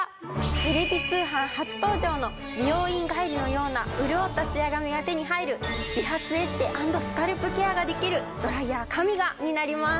テレビ通販初登場の美容院帰りのような潤ったツヤ髪が手に入る美髪エステ＆スカルプケアができるドライヤーＫＡＭＩＧＡになります。